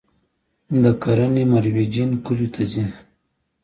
د کرنې مرویجین کلیو ته ځي